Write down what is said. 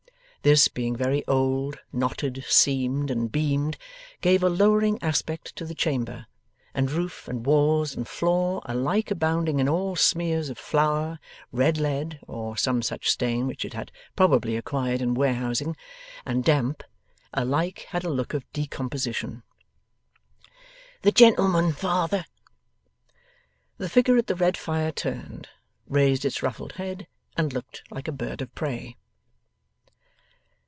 This, being very old, knotted, seamed, and beamed, gave a lowering aspect to the chamber; and roof, and walls, and floor, alike abounding in old smears of flour, red lead (or some such stain which it had probably acquired in warehousing), and damp, alike had a look of decomposition. 'The gentleman, father.' The figure at the red fire turned, raised its ruffled head, and looked like a bird of prey.